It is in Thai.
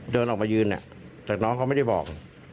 เดินออกมายืนแต่น้องเขาไม่ได้บอก